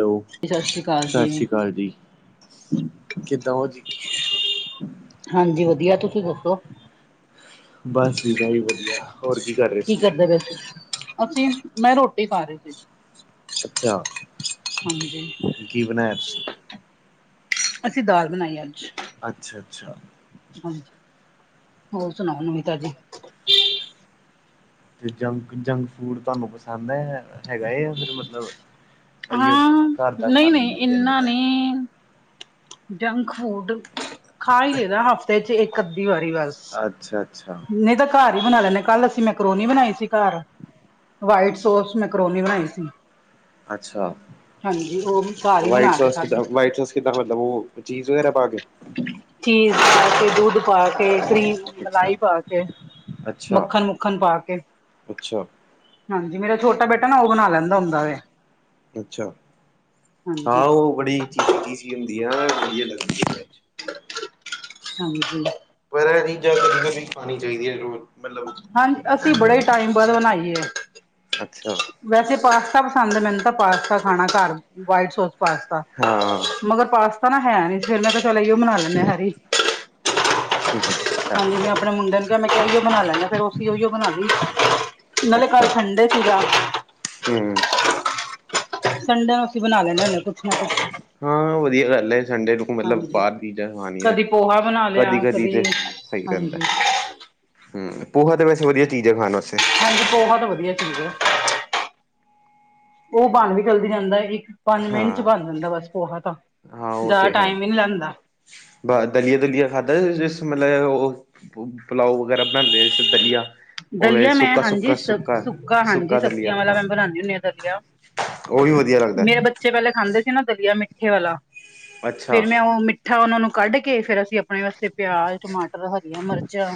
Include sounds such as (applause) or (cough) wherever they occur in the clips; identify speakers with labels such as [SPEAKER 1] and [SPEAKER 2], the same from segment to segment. [SPEAKER 1] Hello,
[SPEAKER 2] ਸਤਿ ਸ੍ਰੀ ਅਕਾਲ
[SPEAKER 1] ਸ਼
[SPEAKER 2] ਜੀ
[SPEAKER 1] ਸ਼੍ਰੀ ਕਾਲ ਜੀ, ਕਿੱਦਾਂ ਓ ਜੀ?
[SPEAKER 2] ਹਾਂਜੀ ਵਧੀਆਂ ਤੁਸੀਂ ਦੱਸੋ?
[SPEAKER 1] ਬਸ ਜੀ ਬਾਈ ਵਧੀਆ ਹੋਰ ਕੀ ਕਰ ਰੇ ਸੀ?
[SPEAKER 2] ਦੇ ਵਿੱਚ। ਅਸੀਂ ਮੈਂ ਰੋਟੀ ਖਾ ਰੀ ਸੀ।
[SPEAKER 1] ਅੱਛਾ।
[SPEAKER 2] ਹਾਂਜੀ।
[SPEAKER 1] ਕੀ ਬਣਾਇਆ ਤੁਸੀਂ?
[SPEAKER 2] ਅਸੀਂ ਦਾਲ ਬਣਾਈ ਅੱਜ।
[SPEAKER 1] ਅੱਛਾ-ਅੱਛਾ।
[SPEAKER 2] ਹਾਂਜੀ, ਹੋਰ ਸੁਣਾਓ ਨਮੀਂ ਤਾਜ਼ੀ।
[SPEAKER 1] ਤੇ ਜੰਕ, ਜੰਕ ਫੂਡ ਤੁਹਾਨੂੰ ਪਸੰਦ ਐ ਹੈਗਾ ਏਆ ਫੇਰ ਮਤਲਬ ਇਹੀਓ
[SPEAKER 2] ਹਾਂ
[SPEAKER 1] ਘਰ ਦਾ ਖਾਣਾ ਹੀ
[SPEAKER 2] ਨਈ-ਨਈ
[SPEAKER 1] ਵਧੀਆ
[SPEAKER 2] ਇੰਨਾ
[SPEAKER 1] ਲੱਗਦਾ ਹੈ।
[SPEAKER 2] ਨੀ ਜੰਕ ਫੂਡ ਖਾ ਈ ਲਈ ਦਾ ਹਫ਼ਤੇ 'ਚ ਇੱਕ ਅੱਧੀ ਵਾਰੀ ਬਸ।
[SPEAKER 1] ਅੱਛਾ-ਅੱਛਾ।
[SPEAKER 2] ਨਈ ਤਾਂ ਘਰ ਈ ਬਣਾ ਲੈਂਨੇ ਕੱਲ ਅਸੀਂ ਮੈਕਰੋਨੀ ਬਣਾਈ ਸੀ ਘਰ। ਵਾਈਟ ਸੋਸ ਮੈਕਰੋਨੀ ਬਣਾਈ ਸੀ।
[SPEAKER 1] ਅੱਛਾ,
[SPEAKER 2] ਹਾਂਜੀ ਉਹ ਵੀ ਘਰ ਹੀ
[SPEAKER 1] ਵਾਈਟ
[SPEAKER 2] ਬਣਾ ਕੇ
[SPEAKER 1] ਸੋਸ
[SPEAKER 2] ਖਾਧੀ
[SPEAKER 1] ਕਿੱਦਾਂ ਵਾਈਟ ਸੋਸ ਕਿੱਦਾਂ ਮਤਲਬ ਓ ਚੀਜ਼ ਵਗੈਰਾ ਪਾ ਕੇ।
[SPEAKER 2] ਚੀਜ਼ ਪਾ ਕੇ, ਦੁੱਧ ਪਾ ਕੇ, ਕਰੀਮ
[SPEAKER 1] ਅੱਛਾ
[SPEAKER 2] ਮਲਾਈ ਪਾ ਕੇ,
[SPEAKER 1] ਅੱਛਾ
[SPEAKER 2] ਮੱਖਣ ਮੁੱਖਣ ਪਾ ਕੇ।
[SPEAKER 1] ਅੱਛਾ
[SPEAKER 2] ਹਾਂਜੀ ਮੇਰਾ ਛੋਟਾ ਬੇਟਾ ਨਾ ਓ ਬਣਾ ਲੈਂਦਾ ਹੁੰਦਾ ਵੇ।
[SPEAKER 1] ਅੱਛਾ, ਹਾਂ
[SPEAKER 2] ਹਾਂਜੀ
[SPEAKER 1] ਓ ਬੜੀ ਚੀਸੀ-ਚੀਸੀ ਹੁੰਦੀ ਆਰ ਵਧੀਆ ਲੱਗਦੀ। ਚੀਜ਼
[SPEAKER 2] ਹਾਂਜੀ।
[SPEAKER 1] ਪਰ ਐ ਚੀਜ਼ਾਂ ਕਦੀ-ਕਦੀ ਖਾਣੀ ਚਾਈਦੀਆਂ ਰੋ ਮਤਲਬ
[SPEAKER 2] ਹਾਂਜੀ ਅਸੀਂ
[SPEAKER 1] ਐਵੇਂ
[SPEAKER 2] ਬੜੇ ਈ ਟਾਈਮ ਬਾਅਦ ਬਣਾਈ ਏ।
[SPEAKER 1] ਅੱਛਾ।
[SPEAKER 2] ਵੈਸੇ ਪਾਸਤਾ ਪਸੰਦ ਏ ਮੈਨੂੰ ਤਾਂ ਪਾਸਤਾ ਖਾਣਾ ਘਰ ਵਾਈਟ ਸੋਸ ਪਾਸਤਾ।
[SPEAKER 1] ਹਾਂ।
[SPEAKER 2] ਮਗਰ ਪਾਸਤਾ ਨਾ ਹੈ ਨੀ ਸੀ ਫਿਰ ਮੈਂ ਕੇਆ ਚਲ ਏਈਓ ਬਨਾ ਲੈਨੇਂ ਆ ਹੈਰੀ।
[SPEAKER 1] ਠੀਕ ਏ‌।
[SPEAKER 2] ਹਾਂਜੀ ਮੈਂ ਆਪਣੇ ਮੁੰਡੇ ਨੂੰ ਕੇਆ ਮੈਂ ਕੇਆ ਉਹੀਓ ਬਣਾ ਲੈਨੇਂ ਫਿਰ ਅਸੀਂ ਉਈਓ ਬਣਾਲੀ। ਨਾਲੇ ਕੱਲ
[SPEAKER 1] ਅੱਛਾ
[SPEAKER 2] ਸੰਨਡੇ ਸੀਗਾ।
[SPEAKER 1] ਹੂੰ।
[SPEAKER 2] ਸੰਨਡੇ ਨੂੰ ਅਸੀਂ ਬਣਾ ਲੈਨੇਂ ਹੁੰਨੇ ਆ ਕੁਛ ਨਾ ਕੁਛ।
[SPEAKER 1] ਹਾਂ, ਵਧੀਆ ਗੱਲ ਹੈ ਸੰਡੇ ਨੂੰ ਮਤਲਬ
[SPEAKER 2] ਹਾਂਜੀ
[SPEAKER 1] ਬਾਹਰ ਦੀਆਂ ਚੀਜ਼ਾਂ ਖਾਣੀਆਂ,
[SPEAKER 2] ਕਦੀ ਪੋਹਾ ਬਣਾ
[SPEAKER 1] ਕਦੀ
[SPEAKER 2] ਲਿਆ
[SPEAKER 1] -ਕਦੀ ਤੇ ਸਹੀ
[SPEAKER 2] ਹਾਂਜੀ
[SPEAKER 1] ਰਹਿੰਦੈ। ਹੂੰ ਪੋਹਾ ਤੇ ਵੈਸੇ ਵਧੀਆ ਚੀਜ਼ ਹੈ ਖਾਣ ਵਾਸਤੇ।
[SPEAKER 2] ਹਾਂਜੀ, ਪੋਹਾ ਤੇ ਵਧੀਆ ਚੀਜ਼ ਐ ਉਹ ਬਣ ਵੀ ਜਲਦੀ ਜਾਦੈ ਇੱਕ। ਪੰਜ- ਮਿੰਟ ਚ
[SPEAKER 1] ਹਾਂ
[SPEAKER 2] ਬਣ ਜਾਂਦਾ ਬਸ ਪੋਹਾ ਤਾਂ।
[SPEAKER 1] ਹਾਂ, ਉਹ
[SPEAKER 2] ਜ਼ਿਆਦਾ
[SPEAKER 1] ਤੇ ਹੈ
[SPEAKER 2] ਟਾਈਮ ਵੀ ਨੀ ਲੈਂਦਾ
[SPEAKER 1] ਬ ਦਲੀਆ- ਦੁਲੀਆ ਖਾਧਾ, ਜਿਸ ਮਤਲਬ ਉਹ ਪਲਾਓ ਵਗੈਰਾ ਬਣਾਉਦੇ ਜਿਸਾ ਦਲੀਆ। ਉਹ ਵੀ
[SPEAKER 2] ਦਲੀਆ ਮੈਂ
[SPEAKER 1] ਸੁੱਕਾ-
[SPEAKER 2] ਹਾਂਜੀ
[SPEAKER 1] ਸੁੱਕਾ,
[SPEAKER 2] ਸ
[SPEAKER 1] ਸੁੱਕਾ-
[SPEAKER 2] ਹਾਂਜੀ
[SPEAKER 1] ਸੁੱਕਾ ਦਲੀਆ
[SPEAKER 2] ਸਬਜ਼ੀਆਂ ਵਾਲਾ ਮੈਂ
[SPEAKER 1] ਹਾਂ।
[SPEAKER 2] ਬਣਾਉਂਦੀ ਹੁੰਦੀ ਹਾਂ ਦਲੀਆ
[SPEAKER 1] ਉਹ ਵੀ ਵਧੀਆ ਲੱਗਦੈ।
[SPEAKER 2] ਮੇਰੇ ਬੱਚੇ ਪਹਿਲੇ ਖਾਂਦੇ ਸੀ ਨਾ, ਦਲੀਆ ਮਿੱਠੇ ਵਾਲਾ
[SPEAKER 1] ਅੱਛਾ
[SPEAKER 2] ਫੇਰ ਮੈਂ ਉਹ ਮੀਠਾ ਉਹਨਾਂ ਨੂੰ ਕੱਢ ਕੇ, ਫੇਰ ਅਸੀਂ ਆਪਣੇ ਵਾਸਤੇ ਪਿਆਜ਼ ਟਮਾਟਰ ਹਰੀਆਂ ਮਰਚਾਂ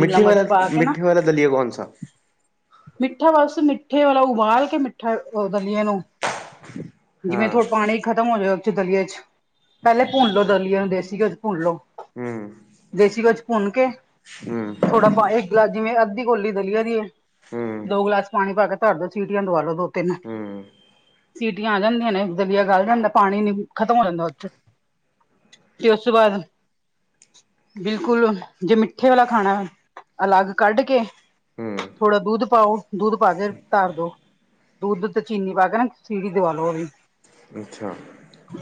[SPEAKER 1] ਮਿੱਠੇ ਵਾਲਾ ਮਿੱਠੇ ਵਾਲਾ ਦਲੀਏ ਕੌਣ ਸਾ?
[SPEAKER 2] ਮਿੱਠਾ ਬਸ, ਮਿੱਠੇ ਵਾਲਾ ਉਬਾਲ ਕੇ ਮਿੱਠਾ ਦਲੀਏ ਨੂੰ ਜਿਵੇਂ
[SPEAKER 1] ਹਾਂ
[SPEAKER 2] ਥੋੜ ਪਾਣੀ ਖ਼ਤਮ ਹੋ ਜਾਇ ਉੱਥੇ ਦਲੀਆ ਚ ਪਹਿਲੇ ਭੁੰਨ ਲੋੋ
[SPEAKER 1] ਅੱਛਾ
[SPEAKER 2] ਦਲੀਏ ਨੂੰ, ਦੇਸੀ ਘਿਓ ਚ ਭੁੰਨ ਲੋ।
[SPEAKER 1] ਹੂੰ।
[SPEAKER 2] ਦੇਸੀ ਘਿਓ ਚ ਭੁੰਨ ਕੇ
[SPEAKER 1] ਹੂੰ
[SPEAKER 2] ਥੋੜਾ ਪਾ ਇੱਕ ਗਲਾਸ ਜਿਵੇਂ, ਅੱਧੀ ਕੋੌਲੀ ਦਲੀਆ ਦੀ ਐ
[SPEAKER 1] ਹੂੰ
[SPEAKER 2] ਦੋ ਗਲਾਸ ਪਾਣੀ ਪਾ ਕੇ ਧਰ ਦੋ, ਸੀਟੀਆਂ ਦਵਾ ਲੋ ਦੋ-ਤਿੰਨ।
[SPEAKER 1] ਹੂੰ
[SPEAKER 2] ਸੀਟੀਆਂ ਆ ਜਾਂਦੀਆਂ ਨੇ, ਦਲੀਆ ਗਲ ਜਾਂਦਾ ਪਾਣੀ ਨੀ ਖਤਮ ਹੋ ਜਾਂਦਾ ਉਰੇ ਚ। ਤੇ ਉਸ ਤੋਂ ਬਾਅਦ, ਬਿਲਕੁਲ ਜੇ ਮਿੱਠੇ ਵਾਲਾ ਖਾਣੈ। ਅਲੱਗ ਕੱਢ ਕੇ
[SPEAKER 1] ਹੂੰ
[SPEAKER 2] ਥੋੜ੍ਹਾ ਦੁੱਧ ਪਾਓ, ਦੁੱਧ ਪਾ ਕੇ ਧਾਰ ਦੋ ਦੁੱਧ ਤੇ ਚੀਨੀ ਪਾ ਕੇ ਨਾ ਸੀਟੀ ਦਵਾ ਲੋ ਉਹਦੀ।
[SPEAKER 1] ਅੱਛਾ।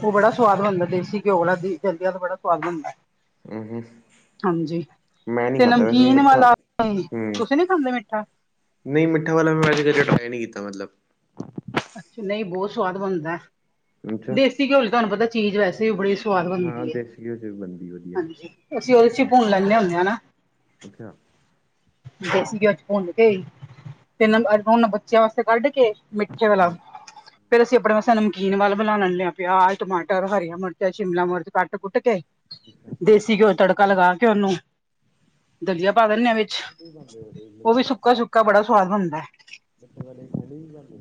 [SPEAKER 2] ਉਹ ਬੜਾ ਸੁਵਾਦ ਬਣਦਾ ਦੇਸੀ ਘਿਓ ਵਾਲਾ ਵੀ (unintelligible) ਕਹਿੰਦੇ ਬੜਾ ਸੁਵਾਦ ਬਣਦੈ।
[SPEAKER 1] ੳਹੂੰ
[SPEAKER 2] ਹਾਂਜੀ।
[SPEAKER 1] ਮੈਂ ਨਹੀਂ
[SPEAKER 2] ਤੇ
[SPEAKER 1] ਖਾਦਾ ਵੈਸੇ ਮਿੱਠਾ
[SPEAKER 2] (unintelligible)
[SPEAKER 1] ਹੂੰ
[SPEAKER 2] ਤੁਸੀਂ ਨੀ ਖਾਂਦੇ ਮਿੱਠਾ?
[SPEAKER 1] ਨਹੀਂ, ਮਿੱਠਾ ਵਾਲਾ ਮੈਂ ਕਦੇ ਟਰਾਏ ਨਹੀਂ ਕੀਤਾ ਮਤਲਬ।
[SPEAKER 2] ਅੱਛਾ, ਨਹੀਂ ਬਹੁਤ ਸਵਾਦ ਬਣਦਾ।
[SPEAKER 1] ਅੱਛਾ
[SPEAKER 2] ਦੇਸੀ ਘਿਓ ਚ ਤੁਹਾਨੂੰ ਪਤਾ ਚੀਜ਼ ਵੈਸੇ ਵੀ ਬੜੀ ਸਵਾਦ
[SPEAKER 1] ਹਾਂ
[SPEAKER 2] ਬਣਦੀ ਹੈ,
[SPEAKER 1] ਦੇਸੀ ਘਿਓ ਚ ਵੀ ਬਣਦੀ ਵਧੀਆ
[SPEAKER 2] ਹਾਂਜੀ ਅਸੀਂ ਉਹਦੇ ਚ ਭੁਨ ਲੈਂਦੇ ਹੁੰਨੇ ਹਾਂ ਨਾ।
[SPEAKER 1] ਅੱਛਾ
[SPEAKER 2] ਦੇਸੀ ਘਿਓ ਚ ਭੁੰਨ ਕੇ, ਤੇ ਅੱ ਉਹਨਾਂ ਬੱਚਿਆਂ ਵਾਸਤੇ ਤੇ ਕੱਢ ਕੇ ਮਿੱਠੇ ਵਾਲਾ
[SPEAKER 1] ਹੂੰ
[SPEAKER 2] ਫੇਰ ਅਸੀਂ ਆਪਣੇ ਵਸਤੇ ਨਮਕੀਨ ਵੱਲ ਬਣਾ ਲੈਂਦੇ ਹਾਂ। ਪਿਆਜ, ਟਮਾਟਰ, ਹਰੀਆਂ ਮਿਰਚ, ਸ਼ਿਮਲਾ ਮਿਰਚ, ਕੱਟ-ਕੁੱਟ ਕੇ ਦੇਸੀ ਘਿਓ ਤੜਕਾ ਲਗਾ ਕੇ ਓਨੂੰ ਦਲੀਆ ਪਾ ਦਿੰਦੇ ਹਾਂ ਵਿੱਚ।
[SPEAKER 1] ਮਿੱਠੇ
[SPEAKER 2] ਉਹ ਵੀ ਸੁੱਕਾ-ਸੁੱਕਾ ਬੜਾ ਸੁਵਾਦ ਬਣਦੈ।
[SPEAKER 1] ਬਡ (unintelligible) ਵਲੇ ਖੜੀ ਜਾਣਗੇ।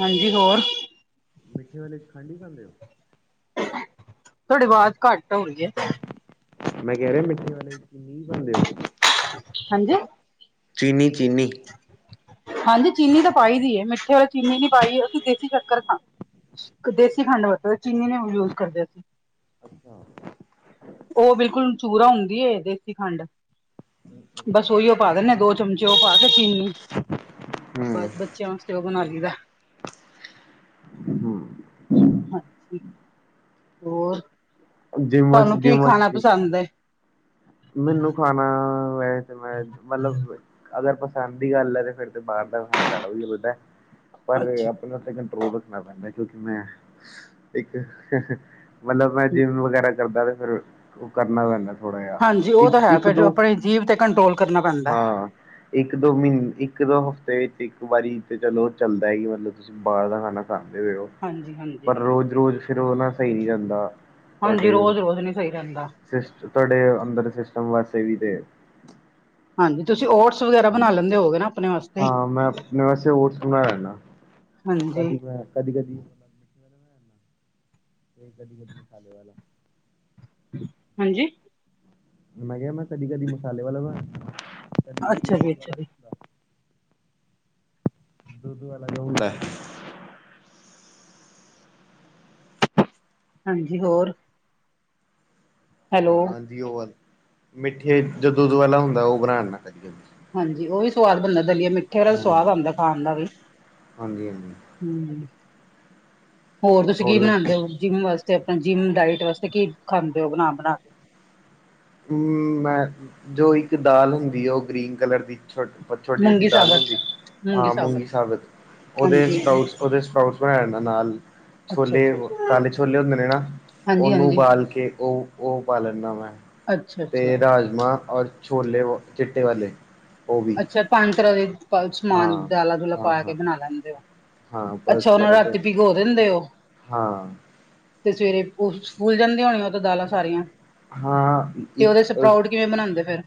[SPEAKER 2] ਹਾਂਜੀ ਹੋਰ
[SPEAKER 1] ਮਿੱਠੇ ਵਾਲੇ ਚ ਖੰਡ ਈ ਪਾਂਦੇ ਹੋ।
[SPEAKER 2] ਤੁਹਾਡੀੇ ਆਵਾਜ਼ ਘੱਟ ਹੋ ਰਹੀ ਹੈ।
[SPEAKER 1] ਮੈਂ ਕਹਿ ਰਿਹਾ ਮਿੱਠੇ ਵਾਲੇ ਚ ਚੀਨੀ ਵੀ ਪਾਦੇ ਔ
[SPEAKER 2] ਹਾਂਜੀ।
[SPEAKER 1] ਚੀਨੀ-ਚੀਨੀ।
[SPEAKER 2] ਹਾਂਜੀ ਚੀਨੀ ਤਾਂ ਪਾਈ ਦੀ ਹੈ ਮਿੱਠੇ ਵਾਲੇ ਚੀਨੀ ਨੀ ਪਾਈ, ਅਸੀਂ ਦੇਸੀ ਸ਼ੱਕਰ ਖਾ ਦੇਸੀ ਖੰਡ ਵਰਤਦੇ ਚੀਨੀ ਨਈ ਹੁਣ ਯੂਜ ਕਰਦੇ ਅਸੀਂ
[SPEAKER 1] ਅੱਛਾ।
[SPEAKER 2] ਉਹ ਬਿਲਕੁਲ ਚੂਰਾ ਹੁੰਦੀ ਏ ਦੇਸੀ ਖੰਡ,
[SPEAKER 1] ਅੱਛਾ
[SPEAKER 2] ਬਸ ਉਹੀਓ ਪਾ ਦਿੰਨੇ ਆ ਦੋ ਚਮਚੇ ਉਹ ਪਾ ਕੇ ਚੀਨੀ,
[SPEAKER 1] ਹੂੰ
[SPEAKER 2] ਬਸ ਬੱਚਿਆਂ ਵਾਸਤੇ ਉਹ ਬਣਾ ਲਈ ਦਾ
[SPEAKER 1] ਹੂੰ
[SPEAKER 2] ਹਾਂਜੀ ਹੋਰ।
[SPEAKER 1] ਜਿਮ ਵਾਸਤੇ
[SPEAKER 2] ਤੁਹਾਨੂੰ ਕੀ
[SPEAKER 1] ਜਿਮ
[SPEAKER 2] ਖਾਣਾ
[SPEAKER 1] ਵਾਸਤੇ
[SPEAKER 2] ਪਸੰਦ ਹੈ?
[SPEAKER 1] ਮੈਨੂੰ ਖਾਣਾ ਵੈਜ ਵੈਜ ਮਤਲਬ ਅਗਰ ਪ ਪਸੰਦ ਦੀ ਗੱਲ ਹੈ ਤੇ ਫੇਰ ਤੇ ਬਾਹਰ ਦਾ ਖਾਣਾ ਜ਼ਿਆਦਾ ਵਧੀਆ ਲਗਦਾ ਐ ਪਰ
[SPEAKER 2] ਅੱਛਾ
[SPEAKER 1] ਆਪਣੇ ਉੱਤੇ ਕੰਟਰੋਲ ਰੱਖਣਾ ਪੈਂਦਾ ਕਿਉਂਕਿ ਮੈਂ ਇੱਕ ਮਤਲਬ ਮੈਂ ਜਿੰਮ ਵਗੈਰਾ ਕਰਦਾ, ਤੇ ਫ਼ਿਰ ਉਹ ਕਰਨਾ ਪੈਂਦਾ ਥੋੜਾ ਜਿਹਾ
[SPEAKER 2] ਹਾਂਜੀ ਉਹ ਤਾਂ
[SPEAKER 1] ਇੱਕ
[SPEAKER 2] ਹੈ,
[SPEAKER 1] ਇੱਕ
[SPEAKER 2] ਫਿਰ
[SPEAKER 1] ਦੋ
[SPEAKER 2] ਆਪਣੇ ਜੀਭ ਤੇ ਕੰਟਰੋਲ ਕਰਨਾ ਪੈਂਦਾ
[SPEAKER 1] ਹਾਂ ਇੱਕ ਦੋ ਮਹੀਨੇ ਇੱਕ ਦੋ ਹਫ਼ਤੇ ਵਿੱਚ ਇੱਕ ਵਾਰੀ ਤੇ ਚਲੋ ਚੱਲਦਾ ਹੈ ਕਿ ਮਤਲਬ ਤੁਸੀਂ ਬਾਹਰ ਦਾ ਖਾਣਾ ਖਾਂਦੇ ਪਏ ਉਹ
[SPEAKER 2] ਹਾਂਜੀ ਹਾਂਜੀ
[SPEAKER 1] ਪਰ ਰੋਜ਼-ਰੋਜ਼ ਫਿਰ ਉਹ ਨਾ ਸਹੀ ਨਹੀਂ ਰਹਿੰਦਾ,
[SPEAKER 2] ਹਾਂਜੀ
[SPEAKER 1] ਤੁਹਾਡੇ
[SPEAKER 2] ਰੋਜ਼ ਰੋਜ਼ ਨੀ ਸਹੀ ਰਹਿੰਦਾ
[SPEAKER 1] ਸਿਸਟ ਤੁਹਾਡੇ ਅੰਦਰ ਸਿਸਟਮ ਵਾਸਤੇ ਵੀ ਤੇ
[SPEAKER 2] ਹਾਂਜੀ ਤੁਸੀਂ ਓਟਸ ਵਗੈਰਾ ਬਣਾ ਲੈਂਦੇ
[SPEAKER 1] ਹੂੰ,
[SPEAKER 2] ਹੋਗੇ ਨਾ ਆਪਣੇ ਵਾਸਤੇ
[SPEAKER 1] ਹਾਂ ਮੈਂ ਆਪਣੇ ਵਾਸਤੇ ਓਟਸ
[SPEAKER 2] ਹਾਂਜੀ।
[SPEAKER 1] ਕਦੀ-ਕਦੀ। ਇਹ ਕਦੀ-ਕਦੀ ਮਸਾਲੇ ਵਾਲਾ
[SPEAKER 2] ਹਾਂਜੀ।
[SPEAKER 1] ਮੈਂ ਕਿਹਾ ਮੈਂ ਕਦੀ-ਕਦੀ ਮਸਾਲੇ ਵਾਲਾ ਬਣਾ ਕਦੀ
[SPEAKER 2] ਅੱਛਾ
[SPEAKER 1] ਕਦੀ
[SPEAKER 2] ਜੀ,
[SPEAKER 1] ਦੁੱਧ
[SPEAKER 2] ਅੱਛਾ
[SPEAKER 1] ਵਾਲਾ
[SPEAKER 2] ਜੀ।
[SPEAKER 1] ਨੀ ਹੁੰਦਾ ਦੁੱਧ ਵਾਲਾ ਅਲਗ ਹੁੰਦਾ
[SPEAKER 2] ਹਾਂਜੀ ਹੋਰ। ਹੈਲੋ।
[SPEAKER 1] ਹਾਂ ਹਾਂਜੀ ਉਹ ਵਾਲਾ, ਮਿੱਠੇ ਜੋ ਦੁੱਧ ਵਾਲਾ ਹੁੰਦਾ ਉਹ ਬਣਾਨਾ ਕਦੀ-ਕਦੀ
[SPEAKER 2] ਹਾਂਜੀ ਉਹ ਵੀ ਸਵਾਦ ਬਣਦਾ ਦਲੀਏ ਮਿੱਠੇ ਵਾਲਾ ਵੀ
[SPEAKER 1] ਹਾਂ
[SPEAKER 2] ਸਵਾਦ ਆਉਂਦਾ ਖਾਣ ਦਾ ਵੀ
[SPEAKER 1] ਹਾਂਜੀ ਹਾਂਜੀ
[SPEAKER 2] ਹੂ, ਹੋਰ ਤੁਸੀਂ ਕੀ ਬਣਾਉਦੇ ਹੋ ਜਿੰਮ ਵਾਸਤੇ ਤੇ ਆਪਣਾ ਜਿੰਮ ਡਾਇਟ ਵਾਸਤੇ ਕੀ ਖਾਂਦੇ ਹੋ ਬਣਾ-ਬਣਾ ਕੇ
[SPEAKER 1] ਹੂ ਮੈਂ, ਜੋ ਇੱਕ ਦਾਲ ਹੁੰਦੀ ਉਹ ਗ੍ਰੀਨ ਕਲਰ ਦੀ ਛੋਟ ਓ ਛੋਟੀ-ਛੋਟੀ
[SPEAKER 2] ਮੂੰਗੀ
[SPEAKER 1] ਦਾਲ ਨੀ
[SPEAKER 2] ਸਾਬਤ
[SPEAKER 1] ਹੁੰਦੀ, ਹਾਂ ਮੂੰਗੀ ਸਾਬਤ ਉਹਦੇ
[SPEAKER 2] ਹਾਂਜੀ
[SPEAKER 1] ਸਪਾਉਟਸ ਉਹਦੇ ਸਪਾਉਟਸ ਬਣਾਣ ਨਾਲ
[SPEAKER 2] ਅੱਛਾ
[SPEAKER 1] ਛੋਲੇ
[SPEAKER 2] ਅੱਛਾ
[SPEAKER 1] ਕਾਲੇ ਛੋਲੇ ਹੁੰਦੇ ਨੇ, ਨਾ
[SPEAKER 2] ਹਾਂਜੀ
[SPEAKER 1] ਉਹਨੂੰ
[SPEAKER 2] ਹਾਂਜੀ
[SPEAKER 1] ਉਬਾਲ ਕੇ ਉਹ ਉਹ ਪਾ ਲੈਂਨਾ ਮੈਂ,
[SPEAKER 2] ਅੱਛਾ ਅੱਛਾ
[SPEAKER 1] ਤੇ ਰਾਜਮਾਂ ਔਰ ਛੋਲੇ ਔ ਚਿੱਟੇ ਵਾਲੇ ਉਹ ਵੀ
[SPEAKER 2] ਅੱਛਾ ਪੰਜ ਤਰ੍ਹਾਂ ਦੇ
[SPEAKER 1] ਹਾਂ
[SPEAKER 2] ਸਮਾਨ ਦਾਲਾਂ-ਦੂਲਾ
[SPEAKER 1] ਹਾਂ
[SPEAKER 2] ਪਾ ਕੇ
[SPEAKER 1] ਹਾਂ
[SPEAKER 2] ਬਣਾ ਲੈਂਦੇ ਹੋ?
[SPEAKER 1] ਹਾਂ
[SPEAKER 2] ਅੱਛਾ
[SPEAKER 1] ਪਲਸ
[SPEAKER 2] ਉਹਨੂੰ
[SPEAKER 1] ਵਗੈਰਾ ਤੇ
[SPEAKER 2] ਰਾਤੀ ਭੀਗੋ ਦਿੰਦੇ ਹੋ?
[SPEAKER 1] ਹਾਂ।
[SPEAKER 2] ਤੇ ਸਵੇਰੇ ਉਹ ਫੁਲ ਜਾਂਦੀਆਂ ਹੋਣੀਆਂ ਉਹ ਤਾਂ ਦਾਲਾਂ ਸਾਰੀਆਂ
[SPEAKER 1] ਹਾਂ
[SPEAKER 2] ਤੇ ਉਹਦੇ
[SPEAKER 1] ਇੱਕ
[SPEAKER 2] ਸਪਰਾਊਟ ਕਿਵੇਂ ਬਣਾਦੇ ਫਿਰ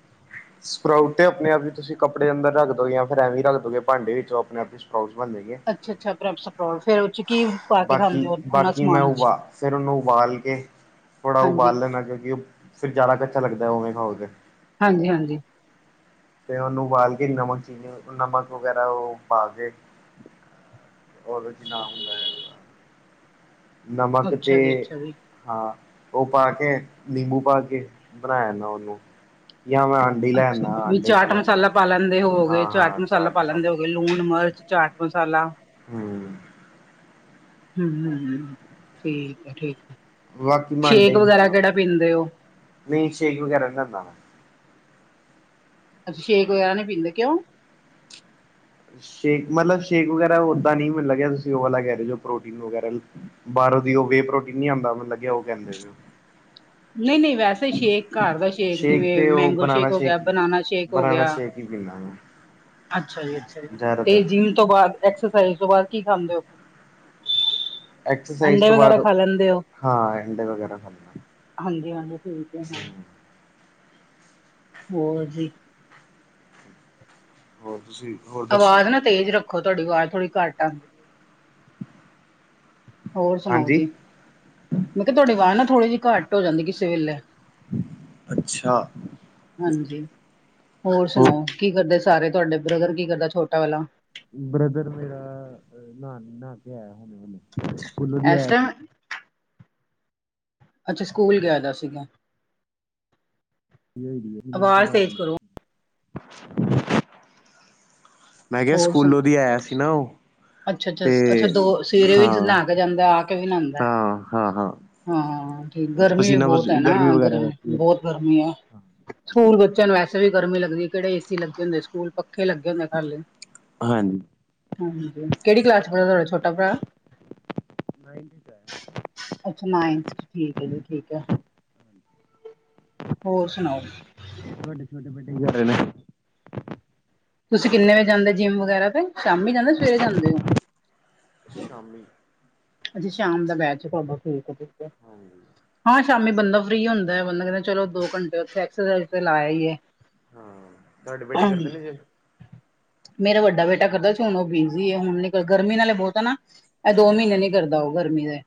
[SPEAKER 1] ਸਪਰਾਊਟ ਤੇ ਆਪਣੇ ਆਪ ਹੀ ਤੁਸੀਂ ਕੱਪੜੇ ਅੰਦਰ ਰੱਖ ਦੋ ਜਾਂ ਫਿਰ ਐਵੇਂ ਰੱਖ ਦੋ ਗੇ ਭਾਂਡੇ ਵਿੱਚੋਂ ਆਪਣੇ ਆਪ ਈ। ਸਪਰਾਊਟਸ ਬਣ ਜਾਣ ਗੇ।
[SPEAKER 2] ਅੱਛਾ- ਅੱਛਾ ਸਪਰਾਊਟਸ, ਫੇਰ ਉਹ 'ਚ ਕੀ ਪਾ ਕੇ ਖਾਂਦੇ
[SPEAKER 1] ਬਾਕੀ
[SPEAKER 2] ਹੋ ਉਹਨਾਂ
[SPEAKER 1] ਬਾਕੀ ਮੈਂ
[SPEAKER 2] ਸਮਾਨ ਚ
[SPEAKER 1] ਉਬਾ ਫੇਰ ਉਨੂੰ ਉਬਾਲ ਕੇ ਥੋੜਾ
[SPEAKER 2] ਹਾਂਜੀ
[SPEAKER 1] ਉਬਾਲ ਲੈਂਨਾ ਕਿਉਂਕੀ ਫ਼ਿਰ ਜਾਦਾ ਕੱਛਾ ਲੱਗਦਾ ਉਵੇਂ ਖਾਓ ਤੇ।
[SPEAKER 2] ਹਾਂਜੀ-ਹਾਂਜੀ
[SPEAKER 1] ਤੇ ਉਨੂੰ ਉਬਾਲ ਕੇ ਨਮਕ ਚੀਨੀ ਨਮਕ ਵਗੈਰਾ ਓ ਪਾ ਕੇ ਓਦੇ ਚ ਨਾ ਹੁੰਦੈ। ਨਮਕ ਤੇ
[SPEAKER 2] ਅੱਛਾ ਜੀ ਅੱਛਾ ਜੀ
[SPEAKER 1] ਹਾਂ ਓ ਪਾ ਕੇ, ਨਿੰਬੂ ਪਾ ਕੇ ਬਣਾਇਦਾ ਓਨੂੰ ਯਾਂ ਮੈਂ ਆਂਡੇ ਲੈ ਆਣਾ
[SPEAKER 2] ਅੱਛਾ ਵੀ
[SPEAKER 1] ਆਂਡੇ ਖਾ
[SPEAKER 2] ਚਾਟ
[SPEAKER 1] ਲੈਣਾ
[SPEAKER 2] ਮਸਾਲਾ ਪਾ ਲੈਂਦੇ ਹੋਵੋਗੇ ਚਾਟ ਮਸਾਲਾ ਪਾ ਲੈਂਦੇ ਹੋਗੇ ਲੂਣ, ਮਿਰਚ, ਚਾਟ-ਮਸਾਲਾ
[SPEAKER 1] ਹੂੰ।
[SPEAKER 2] ਹੂੰ-ਹੂੰ ਠੀਕ ਐ ਠੀਕ,
[SPEAKER 1] ਬਾਕੀ
[SPEAKER 2] ਸ਼ੇਕ ਵਗੈਰਾ ਕੇੜਾ ਪੀਂਦੇ ਓ
[SPEAKER 1] ਨਈ ਸ਼ੇਕ ਵਗੈਰਾ (unintelligible)
[SPEAKER 2] ਅੱਛ, ਸ਼ੇਕ ਵਗੈਰਾ ਨੀ ਪੀਂਦੇ ਕਿਉਂ?
[SPEAKER 1] ਸ਼ੇਕ ਮਤਲਬ ਸ਼ੇਕ ਵਗੈਰਾ ਓਦਾਂ ਨੀ। ਮੈਨੂੰ ਲੱਗਿਆ ਤੁਸੀਂ ਓ ਵਾਲਾ ਕੈ ਰਏ ਓ ਜੋ ਪ੍ਰੋਟੀਨ ਵਗੈਰਾ ਬਾਰੋਂ ਦੀ ਓ ਵੇ ਪ੍ਰੋਟੀਨ ਨੀ ਆਂਦਾ ਮੈਨੂੰ ਲੱਗਿਆ ਓ ਕੈਂਦੇ ਓ।
[SPEAKER 2] ਨਈ-ਨਈ ਵੈਸੇ ਸ਼ੇਕ ਘਰ ਦਾ ਸ਼ੇਕ ਜਿਵੇਂ
[SPEAKER 1] ਤੇ ਉਹ
[SPEAKER 2] ਮੈਂਗੋ ਸ਼ੇਕ ਹੋ ਗਿਆ, ਬਨਾਨਾ ਸ਼ੇਕ ਹੋ ਗਿਆ
[SPEAKER 1] ਜੀ ਪੀਂ (unintelligible)
[SPEAKER 2] ਅੱਛਾ ਜੀ ਅੱਛਾ ਜੀ ਤੇ ਜੀ ਤੋਂ ਬਾਦ ਐਕਸਰਸਾਈਜ਼ ਤੋਂ ਬਾਦ ਕੀ ਖਾਂਦੇ ਓ?
[SPEAKER 1] ਐਕਸਾਈਜ਼ ਤੋਂ ਬਾਦ ਹਾਂ ਅੰਡੇ ਵਗੈਰਾ ਖਾਨਾ
[SPEAKER 2] ਹਾਂਜੀ-ਹਾਂਜੀ ਠੀਕ ਹੈ
[SPEAKER 1] (inaudible)
[SPEAKER 2] ਹੋਰ ਜੀ?
[SPEAKER 1] ਹੋਰ ਤੁਸੀਂ ਹੋਰ ਦੱਸੋ?
[SPEAKER 2] ਆਵਾਜ਼ ਨਾ ਤੇਜ਼ ਰੱਖੋ ਤੁਆਡੀ ਅਵਾਜ਼ ਥੋੜੀ ਘੱਟ ਆਂਦੀ ਹੋਰ ਸੁਣਾਓ ਜੀ,
[SPEAKER 1] ਹਾਂਜੀ
[SPEAKER 2] ਮੈਂ ਕਿਆ ਤੁਹਾਡੀ ਆਵਾਜ਼ ਨਾ ਥੋੜ੍ਹੀ ਜੀ ਘੱਟ ਹੋ ਜਾਂਦੀ ਕਿਸੇ ਵੇਲੇ।
[SPEAKER 1] ਅੱਛਾ
[SPEAKER 2] ਹਾਂਜੀ, ਹੋਰ ਸੁਣਾਓ? ਕੀ ਕਰਦੇ ਸਾਰੇ ਤੁਹਾਡੇ ਬ੍ਰਦਰ ਕੀ ਕਰਦਾ ਛੋਟਾ ਵਾਲਾ?
[SPEAKER 1] ਬ੍ਰਦਰ ਮੇਰਾ ਨਾ-ਨਾ ਕੇ ਆਇਆ (unintelligible) ਸਕੂਲੋਂ ਦੀ ਆਇਆ
[SPEAKER 2] ਐਸ ਟੈਮ ਅੱਛਾ ਸਕੂਲ ਗਿਆ ਦਾ ਸੀਗਾ।
[SPEAKER 1] (inaudible)
[SPEAKER 2] ਆਵਾਜ਼ ਤੇਜ਼ ਕਰੋ
[SPEAKER 1] ਮੈਂ ਕਿਆ
[SPEAKER 2] ਹੋਰ ਸੁਣ
[SPEAKER 1] ਸਕੂਲੋਂ ਦੀ ਆਇਆ ਸੀ ਨਾ ਓ ਤੇ ਹਾਂ
[SPEAKER 2] ਕ ਜਾਂਦਾ ਆ ਕੇ ਵੀ ਨਾਂਦੈ
[SPEAKER 1] ਹਾਂ ਹਾਂ ਹਾਂ
[SPEAKER 2] ਹਾਂ ਠੀਕ ਗਰਮੀ ਵੀ
[SPEAKER 1] ਪਸੀਨਾ
[SPEAKER 2] ਬੋਤ ਐ ਨਾ
[SPEAKER 1] ਗਰਮੀ ਵਗੈਰਾ ਕਰਕੇ
[SPEAKER 2] ਗਰਮੀ
[SPEAKER 1] ਹੋ ਰਹੀ
[SPEAKER 2] ਬੋਤ ਗਰਮੀ ਐ।
[SPEAKER 1] ਹੈ
[SPEAKER 2] ਸਕੂਲ ਬੱਚਿਆਂ ਨੂੰ ਵੈਸੇ ਵੀ ਗਰਮੀ ਲੱਗਦੀ ਆ ਕੇੜੇ ਏ ਸੀ ਲੱਗੇ ਹੁੰਦੇ ਨ ਸਕੂਲ ਪੱਖੇ ਲੱਗੇ ਹੁੰਦੇ ਆ ਖਾਲੀ।
[SPEAKER 1] ਹਾਂ
[SPEAKER 2] ਹਾਂਜੀ ਕੇੜੀ ਕਲਾਸ ਚ ਪੜ੍ਹਦਾ ਤੁਹਾਡਾ ਛੋਟਾ ਭਰਾ?
[SPEAKER 1] ਛੋਟੇ
[SPEAKER 2] ਅੱਛਾ ਨਾਈਨਥ ਚ ਠੀਕ ਐ ਜੀ ਠੀਕ ਐ।
[SPEAKER 1] (inaudible)
[SPEAKER 2] ਹੋਰ ਸੁਣਾਓ?
[SPEAKER 1] ਤੁਹਾਡੇ ਛੋਟੇ ਬੇਟੇ ਕੀ ਕਰ ਰੇ ਨੇ?
[SPEAKER 2] ਤੁਸੀਂ ਕਿੰਨੇ ਵਜੇ ਜਾਂਦੇ ਜਿੰਮ ਵਗੈਰਾ ਤੇ ਸ਼ਾਮੀ ਜਾਂਦੇ ਸਵੇਰੇ ਜਾਂਦੇ ਓ?
[SPEAKER 1] ਸ਼ਾਮੀ।
[SPEAKER 2] ਅਸੀਂ ਸ਼ਾਮ ਦਾ ਬੈਂਚ (unintelligible)
[SPEAKER 1] ਹਾਂਜੀ।
[SPEAKER 2] ਹਾਂ। ਸ਼ਾਮੀ ਬੰਦਾ ਫ੍ਰਰੀ ਹੁੰਦਾ ਹੈ। ਬੰਦਾ ਕਹਿੰਦਾ ਚਲੋ ਦੋ ਘੰਟੇ ਉਥੇ ਐਕਸਰਸਾਈਜ਼ ਤੇ ਲਾ ਆਈਏ।
[SPEAKER 1] ਹਾਂ। ਤੁਹਾਡੇ ਬੇਟੇ ਕਰਦੇ ਨੇ ਜੇ
[SPEAKER 2] ਮੇਰਾ ਵੱਡਾ ਬੇਟਾ ਕਰਦਾ ਸੀ। ਹੁਣ ਉਹ ਬਿਜੀ ਐ। ਹੁਣ ਨੀ ਕਦਾ ਗਰਮੀ ਨਾਲੇ ਬਹੁਤ ਐ ਨਾਂ ਇਹ ਦੋ
[SPEAKER 1] ਅੱਛਾ
[SPEAKER 2] ਮਹੀਨੇਂ ਨੀਂ ਉਹ ਕਰਦਾ ਗਰਮੀ ਦੇ।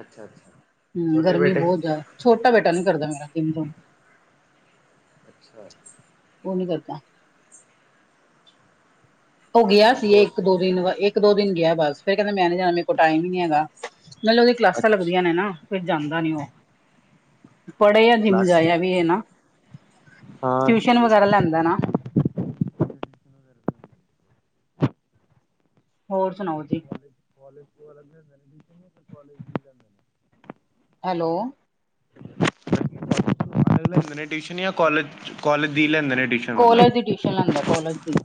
[SPEAKER 1] ਅੱਛਾ ਅੱਛਾ
[SPEAKER 2] ਹੂ
[SPEAKER 1] ਛੋਟੇ
[SPEAKER 2] ਗਰਮੀ
[SPEAKER 1] ਬੇਟੇ
[SPEAKER 2] ਬਹੁਤ ਜ਼ਿਆਦਾ ਛੋਟਾ ਬੇਟਾ ਨੀਂ ਕਰਦਾ ਮੇਰਾ (inaudible)
[SPEAKER 1] ਅੱਛਾ।
[SPEAKER 2] ਉਹ ਨੀਂ ਕਰਦਾ। ਉਹ ਗਿਆ ਸੀ। ਇਹ
[SPEAKER 1] ਹੋਰ
[SPEAKER 2] ਇੱਕ- ਦੋ ਦਿਨ ਇੱਕ-ਦੋ ਦਿਨ ਗਿਆ ਬਸ। ਫਿਰ ਕਹਿੰਦੇ ਮੈਂ ਨੀਂ ਜਾਣਾ। ਮੇਰੇ ਕੋਲ ਟਾਈਮ ਹੀ ਨਹੀਂ ਹੈਗਾ ਨਾਲੇ ਉਹਦੀ ਕਲਾਸਾਂ
[SPEAKER 1] ਅੱਛਾ
[SPEAKER 2] ਲੱਗਦੀਆਂ ਨੇਂ ਨਾਂ। ਜਾਂਦਾ ਨੀ ਉਹ ਪੜ੍ਹੇ ਜਾਂ ਜਿੰਮ
[SPEAKER 1] ਕਲਾਸ
[SPEAKER 2] ਜਾਏ ਇਹ ਵੀ ਐ ਨਾਂ।
[SPEAKER 1] ਹਾਂ
[SPEAKER 2] ਟਿਊਸ਼ਨ ਵਗੈਰਾ ਲੈਂਦਾ ਨਾਂ। ਹੋਰ ਸੁਣਾਓ ਜੀ।
[SPEAKER 1] (unintelligible)
[SPEAKER 2] ਹੈਲੋ।
[SPEAKER 1] ਲੈਂਦੇ ਨੇ ਟਿਊਸ਼ਨ ਜਾਂ ਕੋਲਜ-ਕੋਲਜ ਦੀ ਲੈਂਦੇ ਨੇ ਟਿਊਸ਼ਨ
[SPEAKER 2] ਕੋਲਜ ਦੀ ਟਿਊਸ਼ਨ ਲੈਂਦਾ ਕੋਲਜ ਦੀ।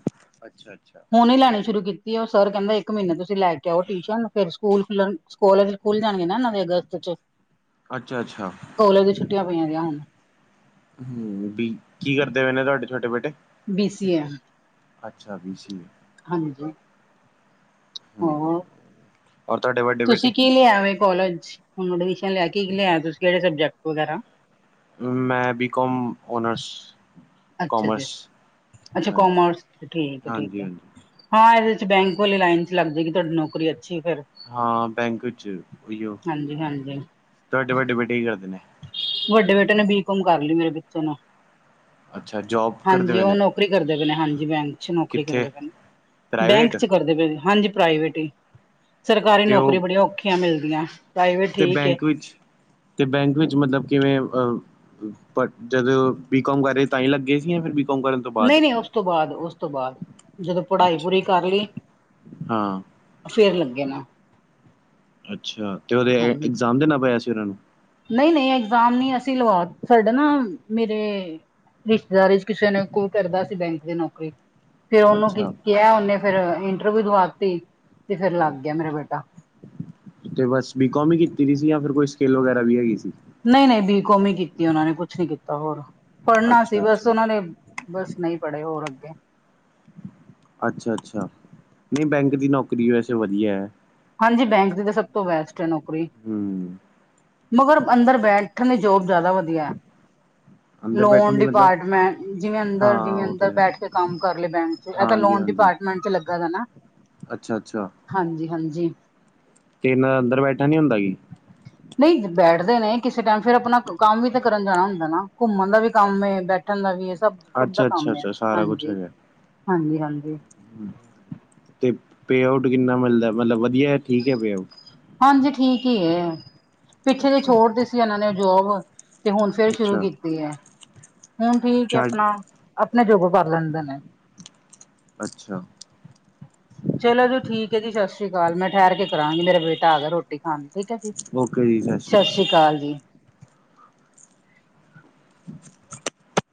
[SPEAKER 1] ਅੱਛਾ-ਅੱਛਾ।
[SPEAKER 2] ਹੁਣ ਹੀ ਲੈਣੀ ਸ਼ੁਰੂ ਕੀਤੀ। ਉਹ ਸਰ ਕਹਿੰਦਾ ਇੱਕ ਮਹੀਨੇ ਤੁਸੀਂ ਲੈ ਕੇ ਆਓ ਟਿਊਸ਼ਨ। ਫਿਰ ਸਕੂਲ ਖੁੱਲਣ ਕੋਲਜ ਖੁੱਲ ਜਾਣਗੇ ਨਾਂ। ਨਵੇਂ ਅਗਸਤ 'ਚ
[SPEAKER 1] ਅੱਛਾ-ਅੱਛਾ।
[SPEAKER 2] ਕੋਲਜ ਦੀਆਂ ਛੁੱਟੀਆਂ ਪਈਆਂ ਗੀਆਂ ਹੁਣ
[SPEAKER 1] ਹੂ ਬੀ। ਕੀ ਕਰਦੇ ਪਏ ਨੇ ਤੁਹਾਡੇ ਛੋਟੇ ਬੇਟੇ?
[SPEAKER 2] ਬੀ ਸੀ ਐ।
[SPEAKER 1] ਅੱਛਾ। ਬੀ ਸੀ ਏ
[SPEAKER 2] ਹਾਂਜੀ। ਹੋਰ
[SPEAKER 1] ਔ ਤੁਹਾਡੇ ਵੱ
[SPEAKER 2] ਤੁਸੀਂ ਕੀ ਲਿਆਵੇ ਕੋਲਜ ਚ? ਹੁਣ ਐਡਮਿਸ਼ਨ ਲੈ ਕੇ ਕੀ ਲਿਆ? ਤੁਸੀਂ ਕਿਹੜੇ ਸਬਜੈਕਟ ਵਗੈਰਾ
[SPEAKER 1] ਮੈਂ ਬੀ ਕੋਮ ਓਨਰਸ।
[SPEAKER 2] ਅੱਛਾ ਜੀ
[SPEAKER 1] ਕੋਮਰਸ
[SPEAKER 2] ਅੱਛਾ। ਅੱਛਾ
[SPEAKER 1] ਹਾਂਜੀ
[SPEAKER 2] ਕੋਮਰਸ ਠੀਕ ਹੈ-ਠੀਕ
[SPEAKER 1] ਹਾਂਜੀ
[SPEAKER 2] ਹੈ।
[SPEAKER 1] ਹਾਂਜੀ
[SPEAKER 2] ਹਾਂ ਇਹਦੇ 'ਚ ਬੈਂਕ ਵਾਲੇ ਲਾਈਨ 'ਚ ਲੱਗਦੇ ਕਿ ਤੁਹਾਡੀ ਨੌਕਰੀ ਅੱਛੀ ਫਿਰ
[SPEAKER 1] ਹਾਂ ਬੈਂਕ 'ਚ ਉਹੀਓ।
[SPEAKER 2] ਹਾਂਜੀ ਹਾਂਜੀ
[SPEAKER 1] ਤੁਹਾਡੇ ਵੱਡੇ ਬੇਟੇ ਕੀ ਕਰਦੇ ਨੇ?
[SPEAKER 2] ਵੱਡੇ ਬੇਟੇ ਨੇ ਬੀ ਕੋਮ ਕਰ ਲਈ ਮੇਰੇ ਬੱਚੇ ਨੂੰ
[SPEAKER 1] ਅੱਛਾ। ਜੋਬ ਕਰਦੇ
[SPEAKER 2] ਹਾਂਜੀ।
[SPEAKER 1] ਪਏ
[SPEAKER 2] ਉਹ
[SPEAKER 1] ਨੇ
[SPEAKER 2] ਨੌਕਰੀ ਕਰਦੇ ਪਏ ਨੇ ਹਾਂਜੀ ਬੈਂਕ ਅੱ ਨੌਕਰੀ
[SPEAKER 1] ਕਿੱਥੇ
[SPEAKER 2] ਕਰਦੇ ਪਏ ਨੇ। ਬੈਂਕ
[SPEAKER 1] ਪ੍ਰਾਈਵੇਟ
[SPEAKER 2] 'ਚ ਕਰਦੇ ਪਏ ਨੇਂ। ਹਾਂਜੀ। ਪ੍ਰਾਈਵੇਟ ਈ ਸਰਕਾਰੀ
[SPEAKER 1] ਤੇ
[SPEAKER 2] ਨੌਕਰੀ
[SPEAKER 1] ਉਹ
[SPEAKER 2] ਬੜੀਆਂ ਔਖੀਆਂ ਮਿਲਦੀਆਂ ਪ੍ਰਾਈਵੇਟ
[SPEAKER 1] ਤੇ
[SPEAKER 2] ਠੀਕ ਹੈ
[SPEAKER 1] ਬੈਂਕ ਵਿੱਚ। ਤੇ ਬੈਂਕ ਵਿੱਚ ਮਤਲਬ ਕਿਵੇਂ ਬਟ ਜਦੋਂ ਬੀ ਕੋਮ ਕਰੇ ਤਾਂ ਹੀ ਲੱਗ ਗਏ ਸੀ। ਫਿਰ ਕਰਨ ਤੋਂ ਬਾਅਦ
[SPEAKER 2] ਨਹੀਂ-ਨਹੀਂ। ਉਸ ਤੋਂ ਬਾਅਦ-ਉਸ ਤੋਂ ਬਾਅਦ। ਜਦੋਂ ਪੜ੍ਹਾਈ
[SPEAKER 1] ਅੱਛਾ
[SPEAKER 2] ਪੂਰੀ ਕਰ ਲਈ
[SPEAKER 1] ਹਾਂ
[SPEAKER 2] ਫੇਰ ਲੱਗੇ ਨਾਂ
[SPEAKER 1] ਅੱਛਾ। ਤੇ ਉਹਦੇ ਇਗਜ਼ਾਮ ਦੇਣਾ ਪਿਆ ਸੀ। ਉਹਨਾਂ ਨੂੰ
[SPEAKER 2] ਨਹੀਂ-ਨਹੀਂ ਐਗਜ਼ਾਮ ਨਹੀਂ। ਅਸੀਂ ਲਵਾ ਸਾਡੇ ਨਾ ਮੇਰੇ ਰਿਸ਼ਤੇਦਾਰੀ 'ਚ ਕਿਸੇ ਨੇ ਕੋਈ ਕਰਦਾ ਸੀ। ਬੈਂਕ ਦੀ ਨੌਕਰੀ ਫੇਿਰ ਉਹਨੂੰ ਕੀ
[SPEAKER 1] ਅੱਛਾ
[SPEAKER 2] ਕਿਹਾ ਉਹਨੇ ਫਿਰ ਇੰਟਰਵਿਊ ਦਵਾਤੀ ਤੇ ਫੇਰ ਲੱਗ ਗਿਆ ਮੇਰਾ ਬੇਟਾ।
[SPEAKER 1] ਤੇ ਬਸ ਬੀਕੋਮ ਵੀ ਕੀਤੀ ਦੀ ਸੀ ਜਾਂ ਫਿਰ ਕੋਈ ਸਕਿੱਲ ਵਗੈਰਾ ਵੀ ਹੈਗੀ ਸੀ।
[SPEAKER 2] ਨਹੀਂ-ਨਹੀਂ ਬੀਕੌਮ ਹੀ ਕੀਤੀ ਉਹਨਾਂ ਨੇ, ਕੁਛ ਨੀ ਕੀਤਾ ਹੋਰ ਪੜ੍ਹਨਾ
[SPEAKER 1] ਅੱਛਾ
[SPEAKER 2] ਸੀ ਬਸ
[SPEAKER 1] ਅੱਛਾ।
[SPEAKER 2] ਉਹਨਾਂ ਨੇ ਬਸ ਨਹੀਂ ਪੜ੍ਹੇ ਹੋਰ ਅੱਗੇ।
[SPEAKER 1] ਅੱਛਾ- ਅੱਛਾ ਨਹੀਂ ਬੈਂਕ ਦੀ ਨੌਕਰੀ ਵੈਸੇ ਵਧੀਆ ਹੈ।
[SPEAKER 2] ਹਾਂਜੀ ਬੈਂਕ ਦੀ ਤਾਂ ਸਭ ਤੋਂ ਬੈਸਟ ਹੈ ਨੌਕਰੀ।
[SPEAKER 1] ਹੂੰ
[SPEAKER 2] ਮਗਰ ਅੰਦਰ ਬੈਠਣ ਦੀ ਜੋਬ ਜ਼ਿਆਦਾ ਵਧੀਆ ਐ।
[SPEAKER 1] ਅੰਦਰ ਬੈਠਣ
[SPEAKER 2] ਲੋਨ
[SPEAKER 1] ਦੀ ਮਤਲਬ
[SPEAKER 2] ਡਿਪਾਰਟਮੈਂਟ ਜਿਵੇਂ ਅੰਦਰ,
[SPEAKER 1] ਹਾਂ
[SPEAKER 2] ਜਿਵੇਂ
[SPEAKER 1] ਉਹ ਤੇ
[SPEAKER 2] ਅੰਦਰ
[SPEAKER 1] ਹੈ
[SPEAKER 2] ਬੈਠ ਕੇ ਕੰਮ ਕਰ ਲਏ ਬੈਂਕ ਚ ਇਹ ਤਾਂ
[SPEAKER 1] ਹਾਂਜੀ
[SPEAKER 2] ਲੋਨ ਡ
[SPEAKER 1] ਹਾਂਜੀ
[SPEAKER 2] ਅਪਾਰਟਮੈਂਟ ਚ ਲੱਗਾ ਦਾ ਨਾ।
[SPEAKER 1] ਅੱਛਾ- ਅੱਛਾ।
[SPEAKER 2] ਹਾਂਜੀ- ਹਾਂਜੀ।
[SPEAKER 1] ਤੇ ਇਹਨਾਂ ਅੰਦਰ ਬੈਠਾ ਨੀ ਹੁੰਦਾ ਕਿ।
[SPEAKER 2] ਨਹੀਂ ਬੈਠਦੇ ਨੇ ਕਿਸੇ ਟਾਈਮ, ਫਿਰ ਆਪਣਾ ਕੰਮ ਵੀ ਤਾਂ ਕਰਨ ਜਾਣਾ ਹੁੰਦਾ ਨਾ ਘੁੰਮਣ ਦਾ ਵੀ ਕੰਮ ਬੈਠ ਬੈਠਣ ਦਾ ਵੀ ਸਭ- ਸਭ ਦਾ
[SPEAKER 1] ਅੱਛਾ ਅੱਛਾ
[SPEAKER 2] ਕੰਮ ਹੈ
[SPEAKER 1] ਅੱਛਾ ਸਾਰਾ ਕੁਛ
[SPEAKER 2] ਹਾਂਜੀ,
[SPEAKER 1] ਹੈਗਾ
[SPEAKER 2] ਹਾਂਜੀ-ਹਾਂਜੀ।
[SPEAKER 1] ਤੇ ਪੇ ਆਊਟ ਕਿੰਨਾ ਮਿਲਦਾ ਮਤਲਬ ਵਧੀਆ ਠੀਕ ਹੈ ਪੇ ਆਊਟ।
[SPEAKER 2] ਹਾਂਜੀ ਠੀਕ ਹੀ ਹੈ, ਪਿੱਛੇ ਜੇ
[SPEAKER 1] ਅੱਛਾ।
[SPEAKER 2] ਛੋੜਦੇ ਸੀ ਇਹਨਾਂ ਨੇ ਜੋਬ। ਤੇ ਹੁਣ ਫੇਰ ਸ਼ੁਰੂ
[SPEAKER 1] ਅੱਛਾ
[SPEAKER 2] ਕੀਤੀ ਹੈ, ਹੁਣ ਠੀਕ ਹੈ
[SPEAKER 1] ਛੱਡ
[SPEAKER 2] ਆਪਣਾ ਆਪਣੇ ਜੋਗਾ ਕਰ ਲੈਂਦੇ ਨੇ।
[SPEAKER 1] ਅੱਛਾ।
[SPEAKER 2] ਚਲੋ ਜੀ ਠੀਕ ਹੈ ਜੀ ਸਤਿ ਸ੍ਰੀ ਅਕਾਲ। ਮੈਂ ਠਹਿਰ ਕਰਾਂਗੀ ਮੇਰਾ ਬੇਟਾ ਆ ਗਿਆ ਰੋਟੀ ਖਾਣ। ਠੀਕ ਹੈ ਜੀ
[SPEAKER 1] ਓਕੇ ਜੀ ਸ਼੍ਰੀ
[SPEAKER 2] ਸਤਿ ਸ੍ਰੀ ਅਕਾਲ ਜੀ।